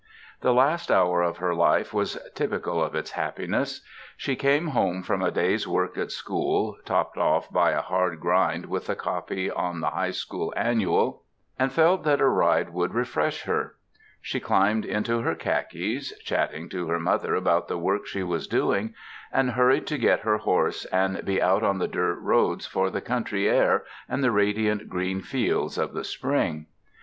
The last hour of her life was typical of its happiness. She came home from a day's work at school, topped off by a hard grind with the copy on the High School Annual, and felt that a ride would refresh her. She climbed into her khakis, chattering to her mother about the work she was doing, and hurried to get her horse and be out on the dirt roads for the country air and the radiant green fields of the spring.